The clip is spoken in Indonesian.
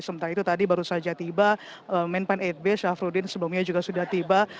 sementara itu tadi baru saja tiba menpeng delapan b syafrudin sebelumnya juga sudah tiba